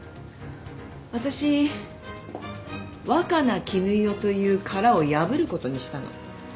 私若菜絹代という殻を破ることにしたの。